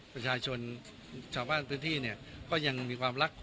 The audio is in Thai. ประชาชนชาวบ้านพื้นที่เนี่ยก็ยังมีความรัก